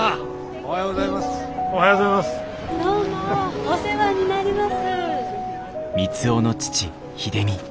おはようございます。